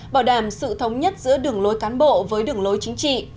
bảo đảm sự thống nhất giữa đường lối cán bộ với đường lối chính trị